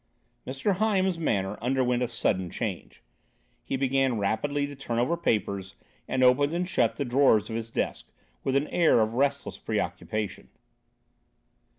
Mr. Hyams's manner underwent a sudden change. He began rapidly to turn over papers, and opened and shut the drawers of his desk, with an air of restless preoccupation.